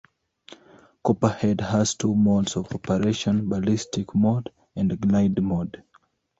Copperhead has two modes of operation: Ballistic mode and glide mode.